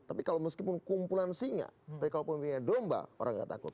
tapi kalau meskipun kumpulan singa tapi kalau pemimpinnya domba orang gak takut